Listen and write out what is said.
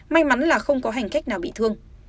may mắn là không có hành khách nào bị thương